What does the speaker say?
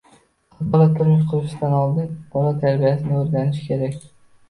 Qiz bola turmush qurishdan oldin bola tarbiyasini o’rganishi kerak.